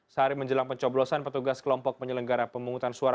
sehari menjelang pencoblosan petugas kelompok penyelenggara pemungutan suara